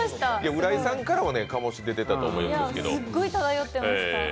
浦井さんからは醸し出ていたと思いますけど。